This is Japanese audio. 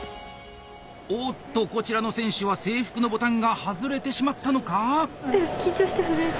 おっとこちらの選手は制服のボタンが外れてしまったのか？